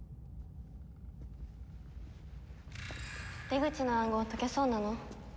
出口の暗号解けそうなの？